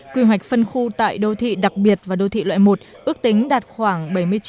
quy hoạch phân khu tại đô thị đặc biệt và đô thị loại một ước tính đạt khoảng bảy mươi chín